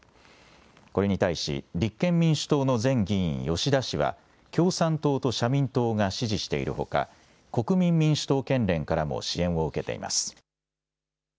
これに対し、立憲民主党の前議員、吉田氏は共産党と社民党が支持しているほか、国民民主党県連からも支援を受けています。